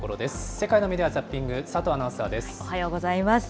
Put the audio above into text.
世界のメディア・ザッピング、おはようございます。